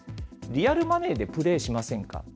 リアルマネーでプレーしませんか。